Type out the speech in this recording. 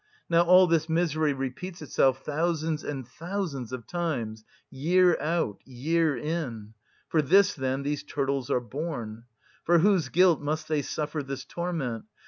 Now all this misery repeats itself thousands and thousands of times, year out, year in. For this, then, these turtles are born. For whose guilt must they suffer this torment?